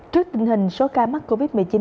trước tình hình số ca mắc covid một mươi chín